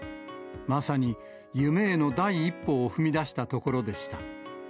まさに夢への第一歩を踏み出したところでした。